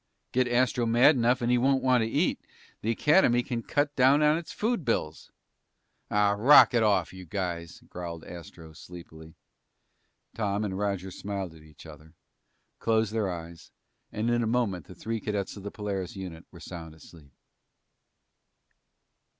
"Get Astro mad enough and he won't want to eat. The Academy can cut down on its food bills." "Ah, rocket off, you guys," growled Astro sleepily. Tom and Roger smiled at each other, closed their eyes, and in a moment the three cadets of the Polaris unit were sound asleep.